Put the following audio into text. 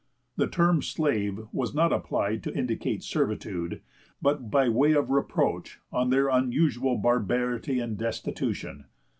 The term Slave was not applied to indicate servitude, but by way of reproach on their unusual barbarity and destitution.